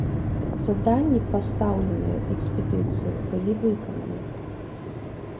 Заданні, пастаўленыя экспедыцыі, былі выкананы.